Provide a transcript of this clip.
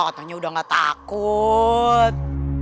katanya udah gak takut